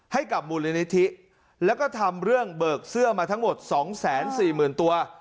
ให้กับมูลนิธิแล้วก็ทำเรื่องเบิกเสื้อมาทั้งหมด๒๔๐๐๐ตัว